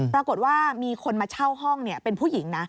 ปรากฏว่ามีคนมาเช่าห้องเป็นผู้หญิงนะ